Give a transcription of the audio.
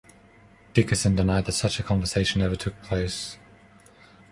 Dickerson denied that such a conversation ever took place.